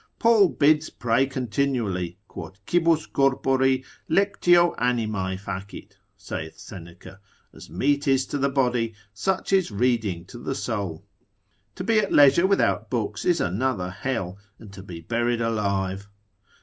Paul bids pray continually; quod cibus corpori, lectio animae facit, saith Seneca, as meat is to the body, such is reading to the soul. To be at leisure without books is another hell, and to be buried alive.